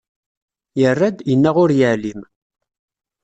Yerra-d, yenna ur yeεlim.